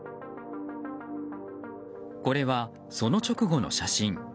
これは、その直後の写真。